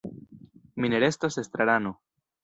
Mi ne restos estrarano.